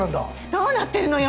どうなってるのよ！